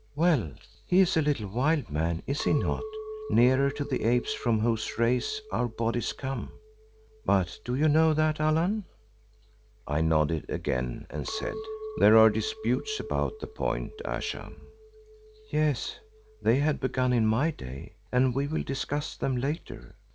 Well, he is a little wild man, is he not, nearer to the apes from whose race our bodies come? But do you know that, Allan?" I nodded again, and said, "There are disputes upon the point, Ayesha." "Yes, they had begun in my day and we will discuss them later.